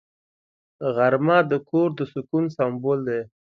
غرمه د کور د سکون سمبول دی